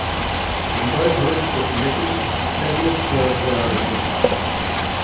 When both routes were commissioned, several spurs were as well.